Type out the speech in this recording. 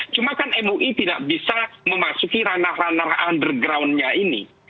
cuma kan mui tidak bisa memasuki ranah ranah undergroundnya ini